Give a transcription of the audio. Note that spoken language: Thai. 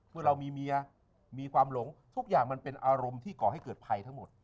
เมื่อเรามีเมียมีความหลงทุกอย่างมันเป็นอารมณ์ที่ก่อให้เกิดภัยทั้งหมด